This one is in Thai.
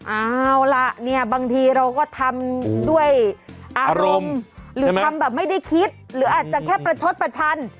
เอาล่ะเนี่ยบางทีเราก็ทำด้วยอารมณ์หรือทำแบบไม่ได้คิดหรืออาจจะแค่ประชดประชัน